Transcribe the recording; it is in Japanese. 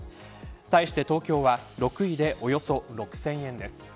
対して東京は６位でおよそ６０００円です。